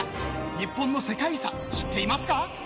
日本の世界遺産、知っていますか。